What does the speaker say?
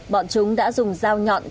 bọn chúng đã dùng dao nhọn